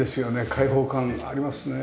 開放感ありますね。